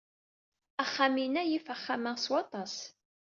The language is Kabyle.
Axxam inna yif axxam-a s waṭas.